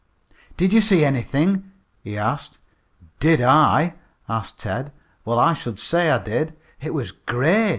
"Did you see anything?" he asked. "Did I?" asked Ted. "Well, I should say I did. It was great.